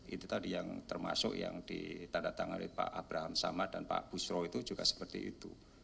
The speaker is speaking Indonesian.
itu tadi yang termasuk yang ditandatangani oleh pak abraham samad dan pak busro itu juga seperti itu